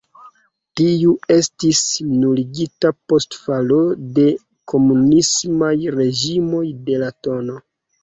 Tiu estis nuligita post falo de komunismaj reĝimoj de la tn.